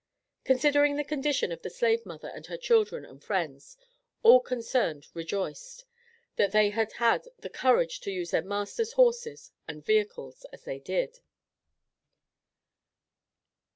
Considering the condition of the slave mother and her children and friends, all concerned rejoiced, that they had had the courage to use their master's horses and vehicles as they did.